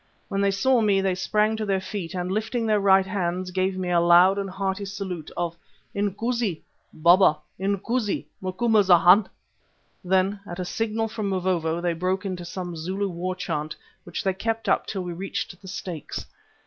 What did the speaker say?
When they saw me they sprang to their feet and, lifting their right hands, gave me a loud and hearty salute of "Inkoosi! Baba! Inkoosi! Macumazana!" Then, at a signal from Mavovo, they broke into some Zulu war chant, which they kept up till we reached the stakes.